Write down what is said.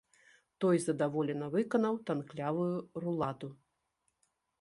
Той задаволена выканаў танклявую руладу.